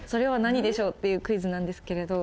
いうクイズなんですけれど。